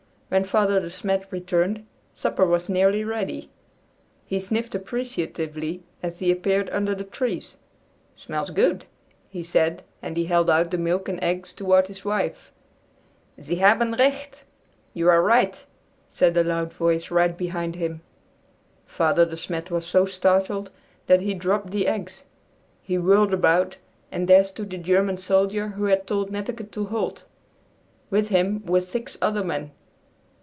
When Father De Smet returned, supper was nearly ready. He sniffed appreciatively as he appeared under the trees. "Smells good," he said as he held out the milk and eggs toward his wife. "Sie haben recht!" (You are right!), said a loud voice right behind him! Father De Smet was so startled that he dropped the eggs. He whirled about, and there stood the German soldier who had told Netteke to halt. With him were six other men.